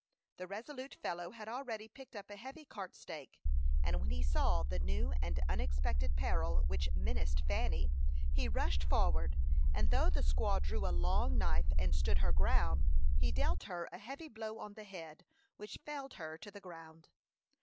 The resolute fellow had already picked up a heavy cart stake, and when he saw the new and unexpected peril which menaced Fanny, he rushed forward, and though the squaw drew a long knife and stood her ground, he dealt her a heavy blow on the head, which felled her to the ground.